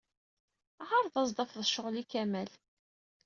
Eɛṛeḍ ad as-d-tafeḍ cɣel i Kamal.